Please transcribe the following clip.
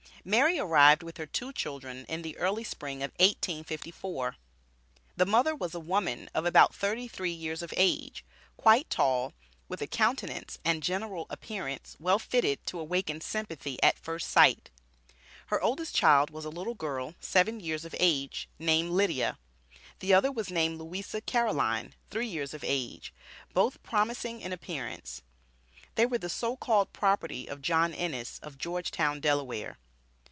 Mary arrived with her two children in the early Spring of 1854. The mother was a woman of about thirty three years of age, quite tall, with a countenance and general appearance well fitted to awaken sympathy at first sight. Her oldest child was a little girl seven years of age, named Lydia; the other was named Louisa Caroline, three years of age, both promising in appearance. They were the so called property of John Ennis, of Georgetown, Delaware.